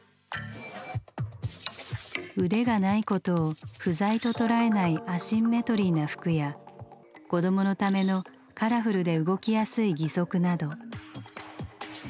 腕がないことを「不在」と捉えないアシンメトリーな服や子どものためのカラフルで動きやすい義足など。